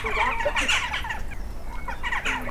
چي د وخت له تاریکیو را بهر سي-